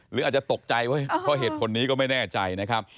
หรืออาจจะตกใจเว้ยเพราะเหตุผลนี้ก็ไม่แน่ใจนะครับ